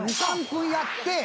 ２３分やって。